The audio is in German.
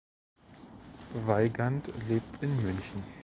Weygand lebt in München.